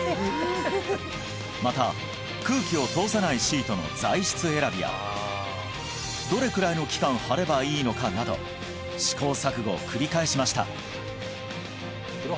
また空気を通さないシートの材質選びやどれくらいの期間貼ればいいのかなど試行錯誤を繰り返しました